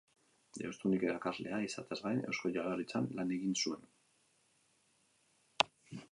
Deustun irakaslea izateaz gain, Eusko Jaurlaritzan lan egin zuen.